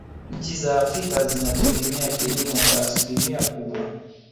nchi za afrika zinategemea kilimo kwa asilimia kubwa